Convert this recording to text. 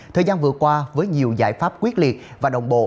thời gian vừa qua với nhiều giải pháp quyết liệt và đồng bộ